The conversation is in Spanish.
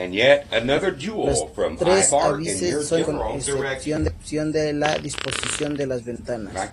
Las tres ábsides son iguales con excepción de la disposición de las ventanas.